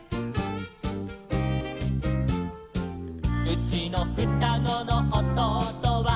「うちのふたごのおとうとは」